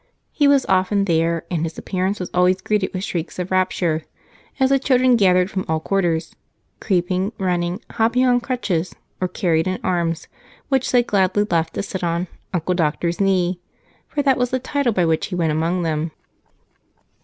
He was often there, and his appearance was always greeted with shrieks of rapture, as the children gathered from all quarters creeping, running, hopping on crutches, or carried in arms which they gladly left to sit on "Uncle Doctor's" knee, for that was the title by which he went among them.